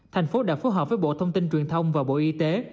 thành phố đã phối hợp với bộ thông tin truyền thông và bộ y tế